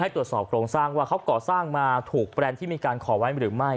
ตรวจสอบโครงสร้างว่าเขาก่อสร้างมาถูกแบรนด์ที่มีการขอไว้หรือไม่